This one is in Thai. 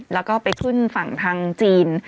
แล้วก็ไปขึ้นฝั่งทางจีน